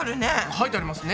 書いてありますね。